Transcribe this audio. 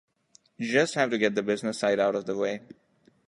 Just have to get the business side out of the way.